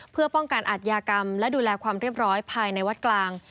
เพื่อป้องกันอาทยากรรมและดูแลความเรียบร้อยภายในวัดกลาง